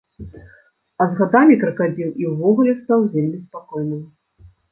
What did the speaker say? А з гадамі кракадзіл і ўвогуле стаў вельмі спакойным.